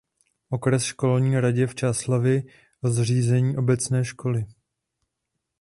Okresní školní radě v Čáslavi o zřízení obecné školy.